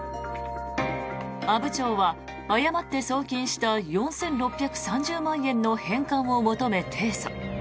阿武町は誤って送金した４６３０万円の返還を求め提訴。